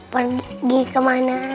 pergi ke mana